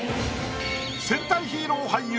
戦隊ヒーロー俳優